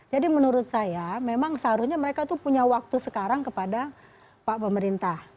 jadi menurut saya memang seharusnya mereka itu punya waktu sekarang kepada pak pemerintah